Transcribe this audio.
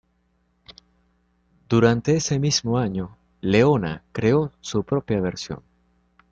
Durante ese mismo año, Leona creó su propia versión.